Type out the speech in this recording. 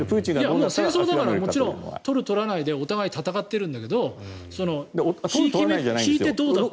戦争だから取る取らないでお互い戦っているけど引いてどうかという。